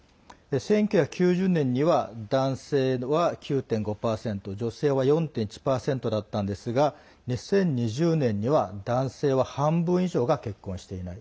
１９９０年には男性は９．５％女性は４．１％だったんですが２０２０年には男性は半分以上が結婚していない。